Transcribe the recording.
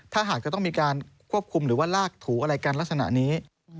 ถ้าหากจะต้องมีการควบคุมหรือว่าลากถูอะไรกันลักษณะนี้